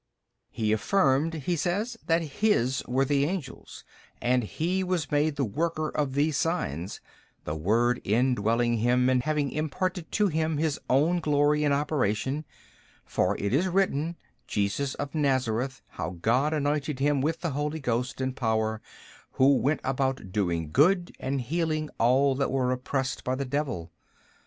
B. He affirmed (he says) that His were the angels, and He was made the worker of these signs, the Word indwelling Him and having imparted to Him His own glory and operation: for it is written, Jesus of Nazareth how God anointed Him with the Holy Ghost and power, Who went about doing good and healing all that are oppressed by the devil.